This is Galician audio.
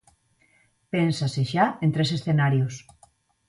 Pénsase xa en tres escenarios.